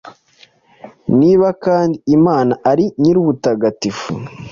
Niba kandi Imana ari Nyirubutagatifu